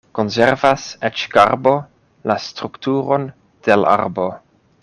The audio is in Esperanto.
Konservas eĉ karbo la strukturon de l' arbo.